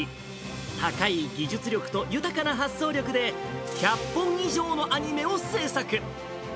高い技術力と豊かな発想力で、１００本以上のアニメを制作。